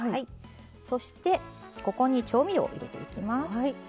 そしてここに調味料を入れていきます。